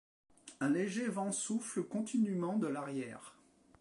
Un léger vent souffle continûment de l'arrière.